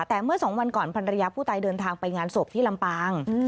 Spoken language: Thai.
แต่เมื่อสองวันก่อนภรรยาผู้ตายเดินทางไปงานศพที่ลำปาง